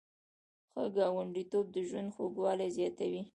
ښه ګاونډیتوب د ژوند خوږوالی زیاتوي.